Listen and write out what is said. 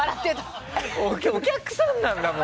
お客さんなんだもん。